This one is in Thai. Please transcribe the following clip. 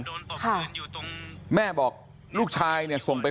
แม่บอกลูกชายส่งไปขอความช่วยเหลือจากเพื่อนรุ่นพี่